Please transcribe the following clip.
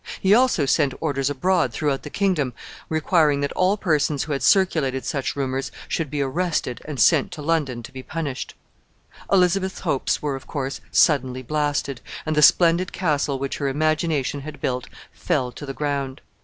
He also sent orders abroad throughout the kingdom requiring that all persons who had circulated such rumors should be arrested and sent to London to be punished. Elizabeth's hopes were, of course, suddenly blasted, and the splendid castle which her imagination had built fell to the ground.